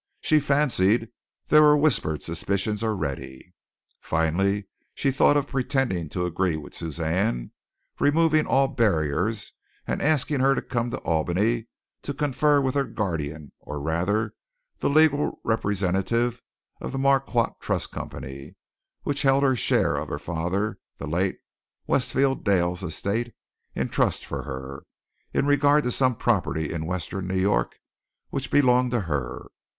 She fancied there were whispered suspicions already. Finally she thought of pretending to agree with Suzanne, removing all barriers, and asking her to come to Albany to confer with her guardian, or rather the legal representative of the Marquardt Trust Company, which held her share of her father the late Westfield Dale's estate in trust for her, in regard to some property in western New York, which belonged to her.